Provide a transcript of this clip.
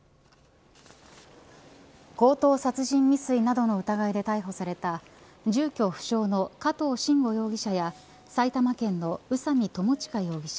強盗殺人未遂などの疑いで逮捕された住居不詳の加藤臣吾容疑者や埼玉県の宇佐見巴悠容疑者